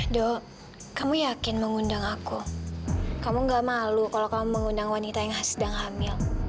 do kamu yakin mengundang aku kamu gak malu kalau kamu mengundang wanita yang sedang hamil